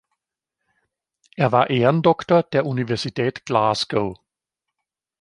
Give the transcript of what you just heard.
Er war Ehrendoktor der Universität Glasgow.